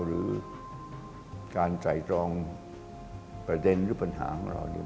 หรือการไตรตรองประเด็นหรือปัญหาของเราเนี่ย